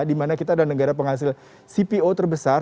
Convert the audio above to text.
dimana kita adalah negara penghasil cpo terbesar